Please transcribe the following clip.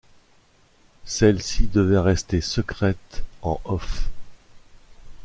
Celle-ci devait restée secrète, en off.